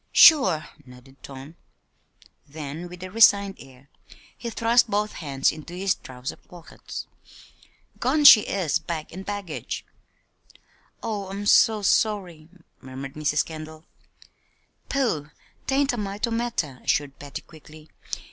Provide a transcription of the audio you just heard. "Sure!" nodded Tom. Then, with a resigned air, he thrust both hands into his trousers pockets. "Gone she is, bag and baggage." "Oh, I'm so sorry," murmured Mrs. Kendall. "Pooh! 'tain't a mite o' matter," assured Patty, quickly.